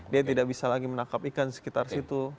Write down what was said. dia tidak bisa lagi menangkap ikan sekitar situ